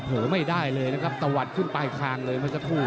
โหไม่ได้เลยนะครับตะวัดขึ้นไปคล่างเลยมาสักครู่